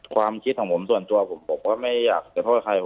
ความคิดของผมส่วนตัวผมผมก็ไม่อยากจะโทษใคร